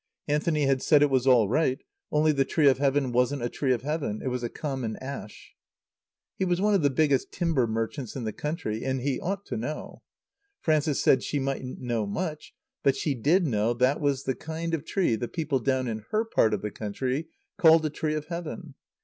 Anthony had said it was all right, only the tree of Heaven wasn't a tree of Heaven; it was a common ash. He was one of the biggest timber merchants in the country and he ought to know. Frances said she mightn't know much, but she did know that was the kind of tree the people down in her part of the country called a tree of Heaven.